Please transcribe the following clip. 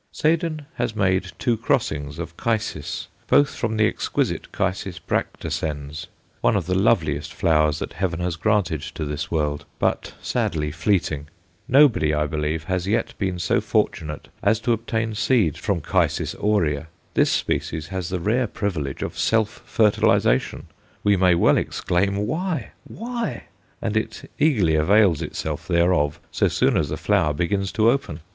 Seden has made two crosses of Chysis, both from the exquisite Ch. bractescens, one of the loveliest flowers that heaven has granted to this world, but sadly fleeting. Nobody, I believe, has yet been so fortunate as to obtain seed from Ch. aurea. This species has the rare privilege of self fertilization we may well exclaim, Why! why? and it eagerly avails itself thereof so soon as the flower begins to open.